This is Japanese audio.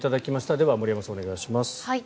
では、森山さんお願いします。